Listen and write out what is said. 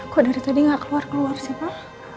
kok dari tadi nggak keluar keluar sih pak